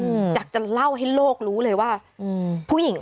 กำลังใจที่เรามีสถานการณ์อะไรที่มันอ่อนไหว